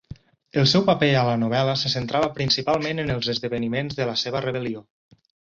El seu paper a la novel·la se centrava principalment en els esdeveniments de la seva rebel·lió.